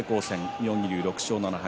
妙義龍６勝７敗